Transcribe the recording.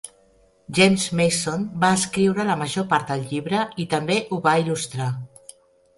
James Mason va escriure la major part del llibre i també ho va il·lustrar.